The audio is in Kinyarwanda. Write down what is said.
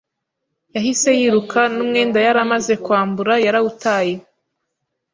yahise yiruka n’umwenda yari amaze kwambura yarawutaye,